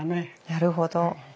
なるほど。